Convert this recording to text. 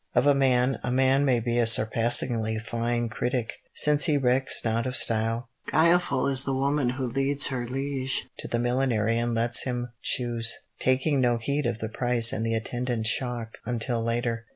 Of a hat, a man may be a surpassingly fine critic, since he recks not of style. Guileful is the woman who leads her liege to the millinery and lets him choose, taking no heed of the price and the attendant shock until later.